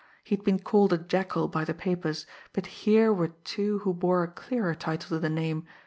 He had been called a jackal by the papers but here were two who bore a clearer title to the name!